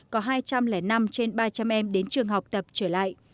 có hai trăm linh năm trên ba trăm linh em đến trường học tập trở lại